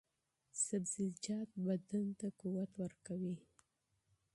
سبزیجات بدن ته قوت ورکوي.